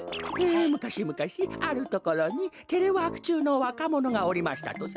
「むかしむかしあるところにテレワークちゅうのわかものがおりましたとさ」。